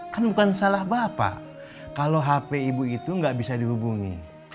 kan bukan salah bapak kalau hp ibu itu nggak bisa dihubungi